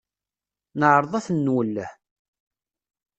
Neɛreḍ ad ten-nwelleh.